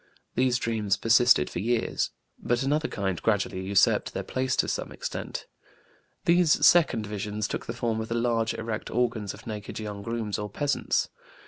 These dreams persisted for years. But another kind gradually usurped their place to some extent. These second visions took the form of the large, erect organs of naked young grooms or peasants.